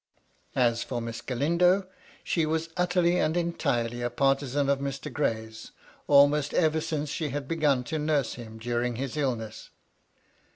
As for Miss Galindo, she was utterly and entirely a partisan of Mr. Gray's, almost ever since she had begun to nurse him during his illness.